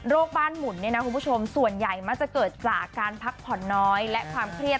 โรคบ้านหมุนส่วนใหญ่มักจะเกิดจากการพักผ่อนน้อยและความเครียด